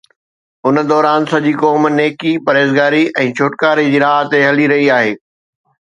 ان دوران سڄي قوم نيڪي، پرهيزگاري ۽ ڇوٽڪاري جي راهه تي هلي رهي آهي.